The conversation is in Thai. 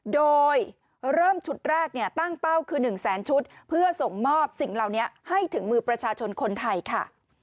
โดยเริ่มชุดแรกตั้งเป้าคือ๑แสนชุดเพื่อส่งมอบสิ่งเหล่านี้ให้ถึงมือประชาชนคนไทยค่ะ